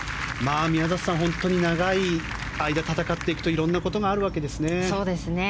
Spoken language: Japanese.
宮里さん、本当に長い間戦っていくといろいろなことがあるわけですね。